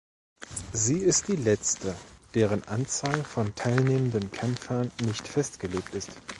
Sie ist die letzte, deren Anzahl von teilnehmenden Kämpfern nicht festgelegt ist.